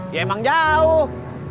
ya emang jauh